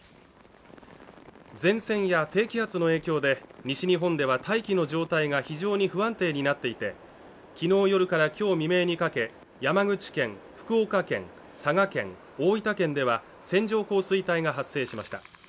前線や低気圧の影響で、西日本では大気の状態が非常に不安定になっていて、昨日夜から今日未明にかけ山口県、福岡県、佐賀県、大分県では線状降水帯が発生しました。